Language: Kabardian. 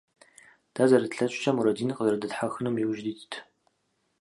Дэ, зэрытлъэкӀкӀэ, Мурэдин къызэрыдэтхьэхынум иужь дитт.